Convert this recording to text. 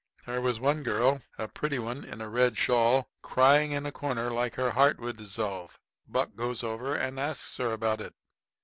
There was one girl a pretty one in a red shawl, crying in a corner like her heart would dissolve. Buck goes over and asks her about it.